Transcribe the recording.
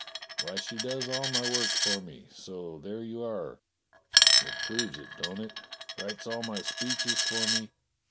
Why, she does all my work for me — so there you are. It proves it, don't it? Writes all my speeches for me.